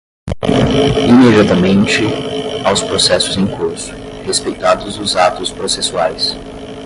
imediatamente aos processos em curso, respeitados os atos processuais